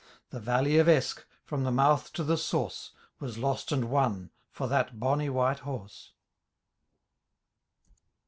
The valley of Eske, from the mouth to tlie Bource, Was lost and won for that bonny white horse.